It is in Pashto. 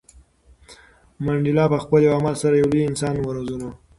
منډېلا په خپل یو عمل سره یو لوی انسان وروزلو.